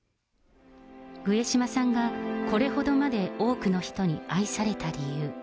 上島さんがこれほどまで多くの人に愛された理由。